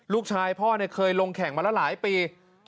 ลูกชายพ่อเคยลงแข่งมาแล้วหลายปี